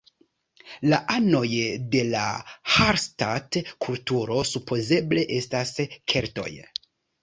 La anoj de la Hallstatt-kulturo supozeble estas keltoj.